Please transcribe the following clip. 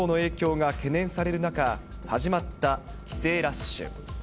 台風７号の影響が懸念される中、始まった帰省ラッシュ。